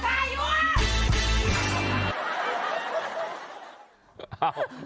ถ่ายหัวถ่ายหัว